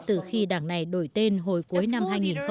từ khi đảng này đổi tên hồi cuối năm hai nghìn một mươi